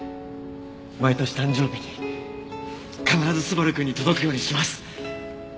毎年誕生日に必ず昴くんに届くようにします！